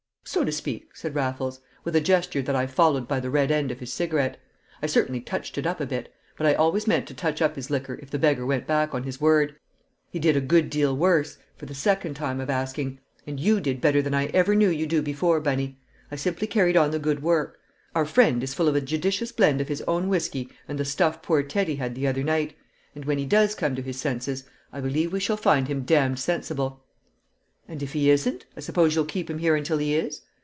"So to speak," said Raffles, with a gesture that I followed by the red end of his cigarette; "I certainly touched it up a bit, but I always meant to touch up his liquor if the beggar went back on his word. He did a good deal worse for the second time of asking and you did better than I ever knew you do before, Bunny! I simply carried on the good work. Our friend is full of a judicious blend of his own whiskey and the stuff poor Teddy had the other night. And when he does come to his senses I believe we shall find him damned sensible." "And if he isn't, I suppose you'll keep him here until he is?"